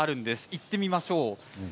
行ってみましょう。